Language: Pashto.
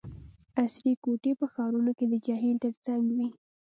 عصري کوټي په ښارونو کې د جهیل ترڅنګ وي